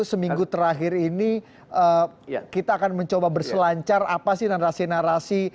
seminggu terakhir ini kita akan mencoba berselancar apa sih narasi narasi